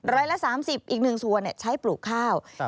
ร้อยละ๓๐อีก๑ส่วนใช้ปลูกข้าว